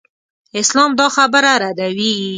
اسلام دا خبره ردوي.